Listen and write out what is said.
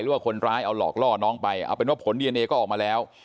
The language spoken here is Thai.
ว่าคนร้ายเอาหลอกล่อน้องไปเอาเป็นว่าผลดีเอนเอก็ออกมาแล้ว